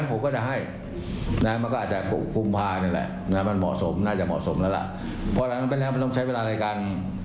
เพราะฉะนั้นต้องใช้เวลาในการ